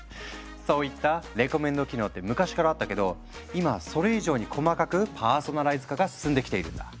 そういったレコメンド機能って昔からあったけど今はそれ以上に細かくパーソナライズ化が進んできているんだ。